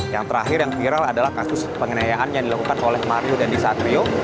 yang terakhir yang viral adalah kasus pengenayaan yang dilakukan oleh mario dandisatrio